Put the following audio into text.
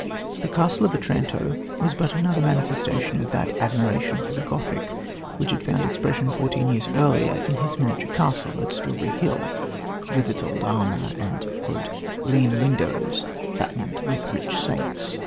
The Castle of Otranto was but another manifestation of that admiration for the Gothic which had found expression fourteen years earlier in his miniature castle at Strawberry Hill, with its old armour and "lean windows fattened with rich saints."